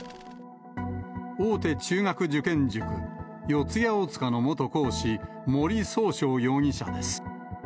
大手中学受験塾、四谷大塚の元講師、森崇翔容疑者です。